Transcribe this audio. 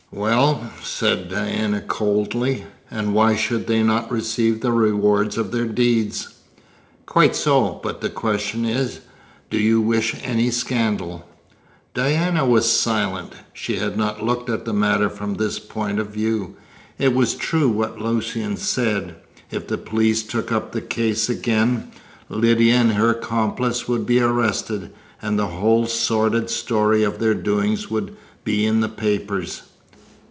"Well," said Diana coldly, "and why should they not receive the reward of their deeds?" "Quite so; but the question is, do you wish any scandal?" Diana was silent. She had not looked at the matter from this point of view. It was true what Lucian said. If the police took up the case again, Lydia and her accomplice would be arrested, and the whole sordid story of their doings would be in the papers.